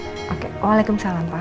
oke waalaikumsalam pak